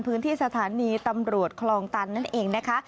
พื้นที่สถานีตำรวจคลองตันนั่นเองนะคะ